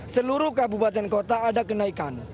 seluruh kabupaten kota ada kenaikan